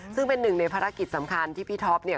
ซึ่งเป็นหนึ่งในภารกิจสำคัญที่พี่ท็อปเนี่ย